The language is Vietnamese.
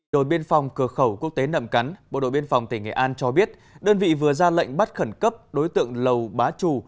đội biên phòng cửa khẩu quốc tế nậm cắn bộ đội biên phòng tỉnh nghệ an cho biết đơn vị vừa ra lệnh bắt khẩn cấp đối tượng lầu bá trù